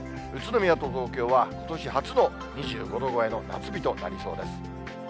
宇都宮と東京は、ことし初の２５度超えの夏日となりそうです。